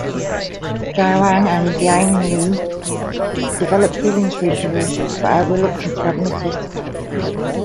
Ji-hwan and Gyung-hee develop feelings for each other but are reluctant to admit it.